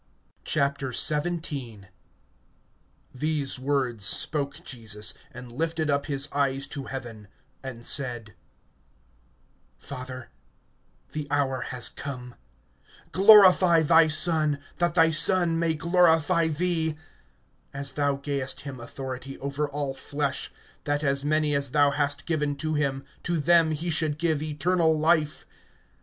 XVII. THESE words spoke Jesus, and lifted up his eyes to heaven, and said: Father, the hour has come; glorify thy Son, that thy Son may glorify thee; (2)as thou gayest him authority over all flesh, that as many as thou hast given to him, to them he should give eternal life.